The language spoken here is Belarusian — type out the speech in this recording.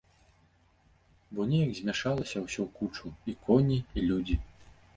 Бо неяк змяшалася ўсё ў кучу, і коні, і людзі.